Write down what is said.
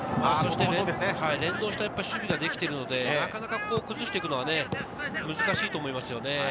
連動した守備ができているので、なかなか崩していくのが難しいと思いますよね。